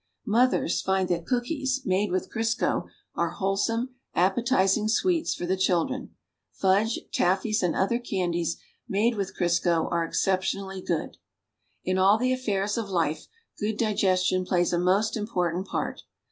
]\Iotliers tind that cookies, made with Crisco, are wholesome, appetizing sweets for the children. Fudge, tatties and other can dies made with (^nsco are excepi lonally good. In. all the affairs oi life good digestion plays a most im])ortant part.